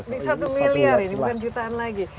ini satu miliar ini bukan jutaan lagi